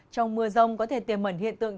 trong mưa rông có thể tiềm mẩn hiện tượng